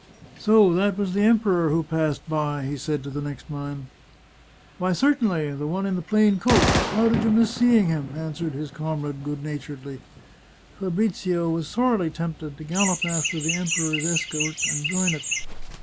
" So that was the Emperor who passed by ?" he said to the next man. " Why, certainly ; the one in the plain coat. How did you miss seeing him ?" answered his comrade good naturedly. Fabrizio was sorely tempted to gallop after the Em peror's escort and join it.